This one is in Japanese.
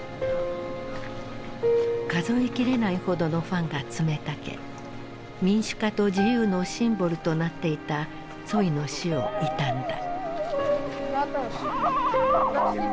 数え切れないほどのファンが詰めかけ民主化と自由のシンボルとなっていたツォイの死を悼んだ。